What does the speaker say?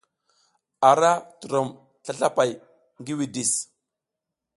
A ra turom slaslapay ngi widis.